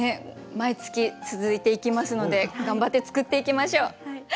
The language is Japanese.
毎月続いていきますので頑張って作っていきましょう。